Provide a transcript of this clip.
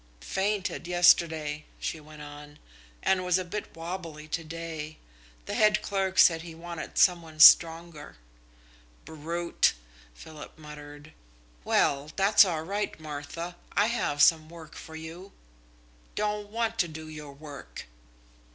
"Fainted yesterday," she went on, "and was a bit wobbly to day. The head clerk said he wanted some one stronger." "Brute!" Philip muttered. "Well, that's all right, Martha. I have some work for you." "Don't want to do your work."